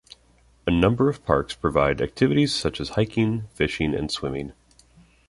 A number of parks provide activities such as hiking, fishing and swimming.